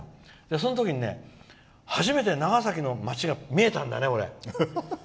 その時に初めて長崎の街が見えたんだよね、俺。